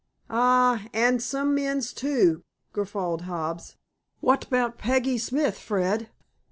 "Ay, an' some men's, too," guffawed Hobbs. "Wot about Peggy Smith, Fred?"